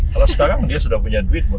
kalau sekarang dia sudah punya duit